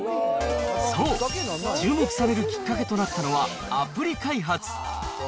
そう、注目されるきっかけとなったのは、アプリ開発。